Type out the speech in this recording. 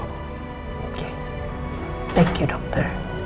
terima kasih dokter